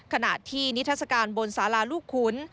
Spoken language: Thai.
ขณะที่นิทัศกาลบนสาราลูกขุน